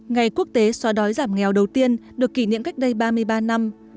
ngày quốc tế xóa đói giảm nghèo đầu tiên được kỷ niệm cách đây ba mươi ba năm